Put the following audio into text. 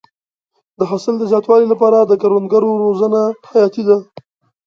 د حاصل د زیاتوالي لپاره د کروندګرو روزنه حیاتي ده.